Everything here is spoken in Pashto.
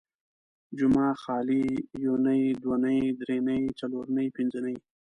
جمعه ، خالي ، يونۍ ،دونۍ ، دري نۍ، څلور نۍ، پنځه نۍ